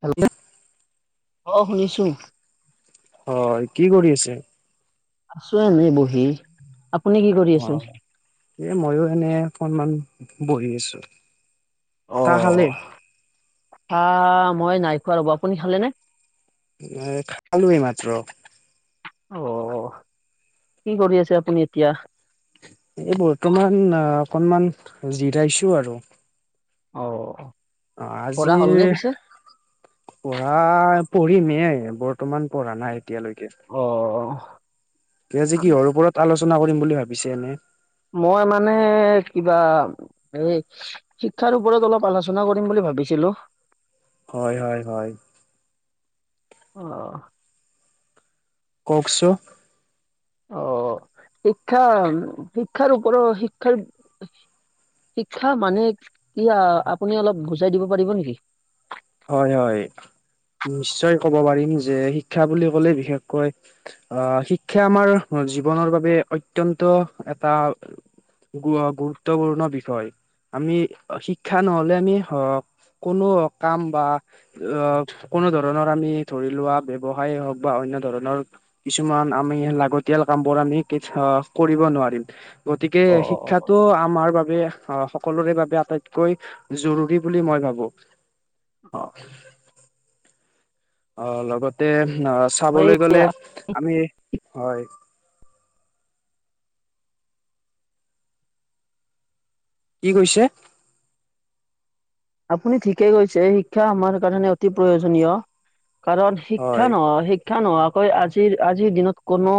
Hello অঁহ শুনিছো। হয় কি কৰি আছে। আছো এনেই বহি আপুনি কি কৰি আছে। অ', এ মইও এনে অকনমান বহি আছো চাহ অ', খালেই। চাহ মই নাই খোৱা ৰ'ব আপুনি খালে নে। মই এ খালোঁ এই মাত্ৰ। অ'হ, কি কৰি আছে আপুনি এতিয়া। এই বৰ্তমান অকনমান অহ জিৰাইছোঁ আৰু। অ'হ। অ'হ, আজি। পঢ়া পঢ়িমমে বৰ্তমান পঢ়া নাই এতিয়ালৈকে। অ'। তই আজি কিহৰ ওপৰত আলোচনা কৰিম বুলি ভাবিছে এনে। মই মানে কিবা এই। শিক্ষাৰ ওপৰত অলপ আলোচনা কৰিম বুলি ভাবিছিলোঁ। হয় হয় হয়। অহ। কওক চো। অহ', শিক্ষা উম শিক্ষাৰ ওপৰত শিক্ষাৰ। শিক্ষা মানে কি আ আপুনি অলপ বুজাই দিব পাৰিব নেকি। হয় হয় নিশ্চয় ক'ব পাৰিম যে শিক্ষা বুলি ক'লে বিশেষকৈ। অহ শিক্ষা আমাৰ জীৱনৰ বাবে অত্যন্ত এটা। গুৰ গুৰুত্বপূৰ্ণ বিষয়। আমি অহ শিক্ষা নহলে আমি হওঁক কোনো। কাম বা অহ', কোনো ধৰণৰ। আমি ধৰি লোৱা ব্যৱসায় হওঁক বা অন্য ধৰণৰ। কিছুমান আমি লাগতিয়াল কামবোৰ আমি কে অহ কৰিব নোৱাৰিম গতিকে অ', অ', শিক্ষাত। টো আমাৰ বাবে অহ সকলোৰে বাবে আটাইতকৈ জৰুৰী বুলি মই ভাবো। অ', অহ। অহ', লগতে অহ', চাবলৈ এই গলে আমি হয়। কি কৈছে? আপুনি ঠিকে কৈছে শিক্ষা আমাৰ কাৰণে অতি প্ৰয়োজনীয়। কাৰণ হয়, শিক্ষা নহয় শিক্ষা নোহোৱাকৈ আজিৰ আজিৰ দিনত কোনো।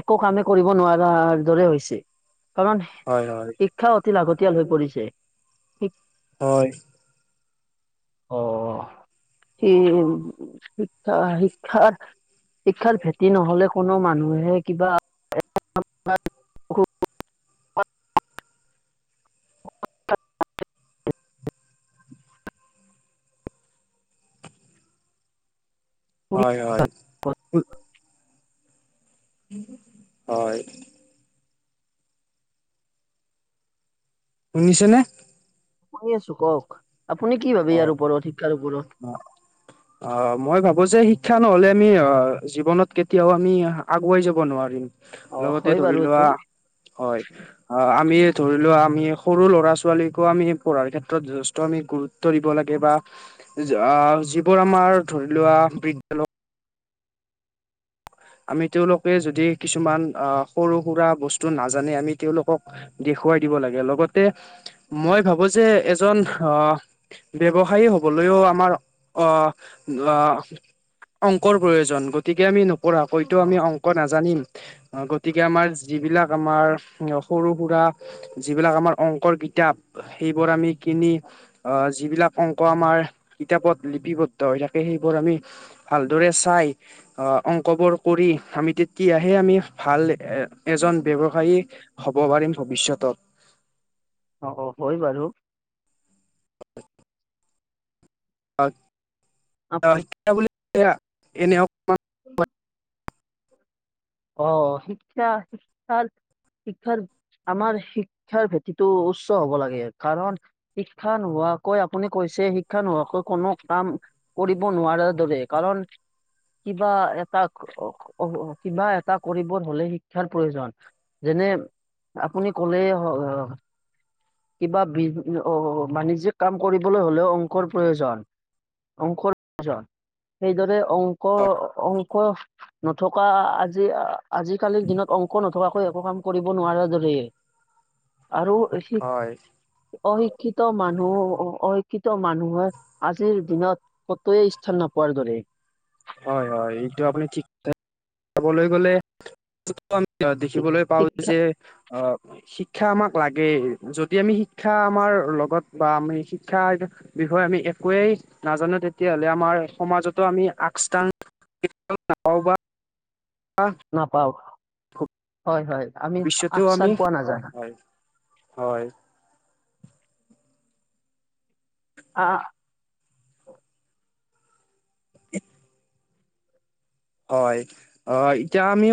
একো কামে কৰিব নোৱাৰাৰ দৰে হৈছে কাৰণ। হয় হয়। শিক্ষা অতি লাগতিয়াল হৈ পৰিছে। হয়। অহ', শি শিক্ষা শিক্ষাত। শিক্ষাৰ ভেঁটি নহলে কোনো মানুহে কিবা। [unintelligible] হয় হয় ও। উম হয়। শুনিছনে? শুনি আছো কওক, আপুনি কি ভাবে হয়। ইয়াৰ ওপৰত শিক্ষাৰ ওপৰত? অ' মই ভাবো যে শিক্ষা নহলে আমি অ', জীৱনত কেতিয়াও আমি আগুৱাই যাব নোৱাৰিম। অ' লগতে হয় ধৰি বাৰু লোৱা এইটো হয়। অ' আমি ধৰি লোৱা আমি সৰু ল'ৰা-ছোৱালীকো আমি পঢ়াৰ ক্ষেত্ৰত যথেষ্ট আমি গুৰুত ত্ব দিব লাগে বা যিবোৰ আমাৰ ধৰি লোৱা বৃদ্ধ আমি তেওলোকে যদি কিছুমান আহ সৰু-সুৰা বস্তু নাজানে আমি তেওলোকক দেখুৱাই দিব লাগে, লগতে মই ভাবো যে এজন আহ ব্যৱসায়ী হ'বলৈও আমাৰ আহ অংকৰ প্ৰয়োজন, গতিকে আমি নপঢ়াকৈতো আমি অংক নাজানিম। গতিকে, আমাৰ যিবিলাক আমাৰ সৰু-সুৰা যিবিলাক আমাৰ অংকৰ কিতাপ সেইবোৰ আমি কিনি। আহ যিবিলাক অংক আমাৰ কিতাপত লিপিবদ্ধ হৈ থাকে। সেইবোৰ আমি ভালদৰে চাই অ' অংকবোৰ কৰি, আমি তেতিয়াহে আমি ভাল এ এজন ব্যৱসায়ী হব পাৰিম ভৱিষ্যতত। অ' হয় বাৰু! [unintelligible] [unintelligible] অ' শিক্ষা শিক্ষাৰ শিক্ষাৰ আমাৰ শিক্ষাৰ ভেটিটো উচ্চ হ'ব লাগে। কাৰণ শিক্ষা নোহোৱাকৈ আপুনি কৈছে, শিক্ষা নোহোৱাকৈ কোনো কাম কৰিব নোৱাৰাৰ দৰে কাৰণ কিবা এটা কিবা এটা কৰিব হলে শিক্ষাৰ প্ৰয়োজন। যেনে আপুনি কলে কিবা বি অ' বাণিজ্যিক কাম কৰিবলৈ হ'লেও অংকৰ প্ৰয়োজন। অংকৰ প্ৰয়োজন, সেইদৰে অংক অংক, নথকা আজি আজিকালিৰ দিনত অংক নথকাকৈ একো কাম কৰিব নোৱাৰাৰ দৰেই। আৰু হয়। অশিক্ষিত মানুহ অশিক্ষিত মানুহে আজিৰ দিনত কতোৱে স্থান নপোৱাৰ দৰে। হয় হয়, এইটো আপুনি ঠিক চাবলৈ গ'লে আমি শি- দেখিবলৈ পাও শিক্ষা যে, আহ শিক্ষা আমাক লাগেই যদি আমি শিক্ষা আমাৰ লগত বা আমি শিক্ষা বিষয়ে আমি একোৱেই নাজানো। তেতি তেতিয়াহ'লে আমাৰ সমাজতো আমি আগস্থান নাপাওঁ। বা নাপাওঁ, হয় হয় আমি ভৱিষ্যতেও আগ চাগ আমি পোৱা নাযায়। হয় হয়! আ [inaudible] হয়, অ' এতিয়া আমি